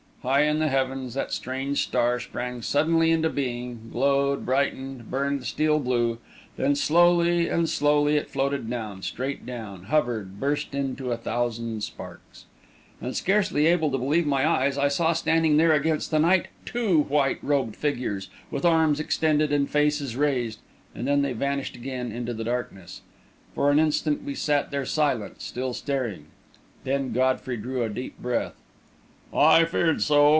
High in the heavens that strange star sprang suddenly into being, glowed, brightened, burned steel blue; then slowly and slowly it floated down, straight down; hovered, burst into a thousand sparks.... And, scarcely able to believe my eyes, I saw standing there against the night two white robed figures, with arms extended and faces raised; and then they vanished again into the darkness. For an instant we sat there silent, still staring. Then Godfrey drew a deep breath. "I feared so!"